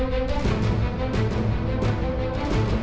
สวัสดีครับ